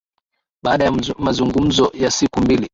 baada ya mazungumzo ya siku mbili